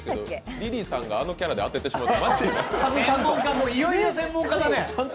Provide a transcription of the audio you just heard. リリーさんがあのキャラで当ててしまうと。